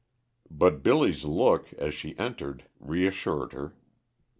But Billy's look, as she entered, reassured her.